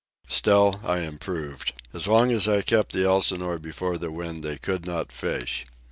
Still I improved. As long as I kept the Elsinore before the wind they could not fish.